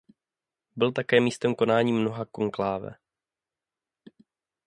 Byl také místem konání mnoha konkláve.